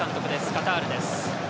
カタールです。